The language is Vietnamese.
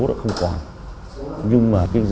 mới xuất mới